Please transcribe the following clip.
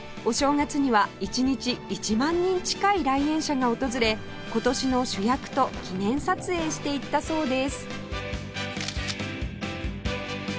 お正月には一日１万人近い来園者が訪れ今年の主役と記念撮影していったそうです